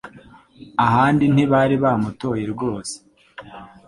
ahandi ntibari bamutoye rwose